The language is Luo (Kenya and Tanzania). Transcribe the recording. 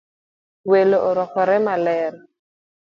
Welo orwakore maler